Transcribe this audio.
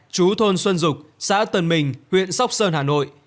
chú thôn xuân dục xã tân bình huyện sóc sơn hà nội